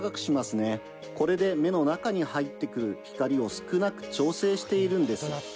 これで目の中に入ってくる光を少なく調整しているんです。